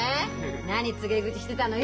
何告げ口してたのよ？